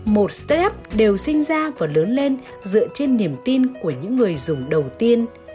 một step đều sinh ra và lớn lên dựa trên niềm tin của những người dùng đầu tiên